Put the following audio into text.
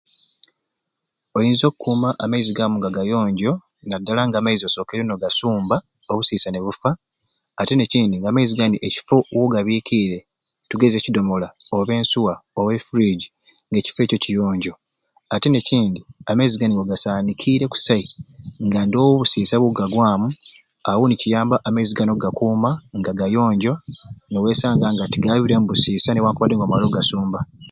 Oyinza okuuma amaizi gamu nga gayonjo nadala nga amaizi osokere nogasumba obusiisa nibuffa ate nekindi amaizi gani ekifo wogabikiire tugeeze ekidomola oba ensuwa oba efuriji nga ekifo ekyo kiyonjo ate nekindi amaizi gani nga ogasaninkiire kusai nga ndowo busiisa buga gwamu awo kiyamba amaizi gani okugakuma nga gayonjo niwesanga nga amaizi gani tigabiremu busiisa newankubadde nga omaare ogasumba.